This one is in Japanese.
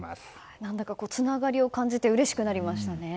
何だかつながりを感じてうれしくなりましたね。